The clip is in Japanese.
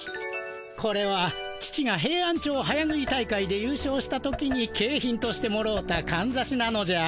これは父がヘイアンチョウ早食い大会でゆう勝した時にけい品としてもろうたかんざしなのじゃ。